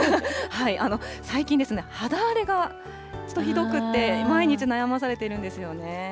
最近、肌荒れがひどくて、毎日悩まされているんですよね。